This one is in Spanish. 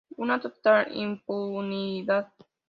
Una total impunidad.